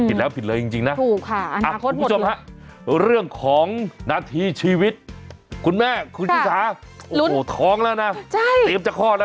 มันผิดแล้วผิดเลยจริงจริงนะถูกค่ะอันทางโค้ดหมดอ่ะคุณผู้ชมค่ะ